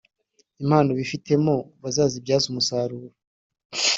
impano bifitemo bazibyaze umusaruro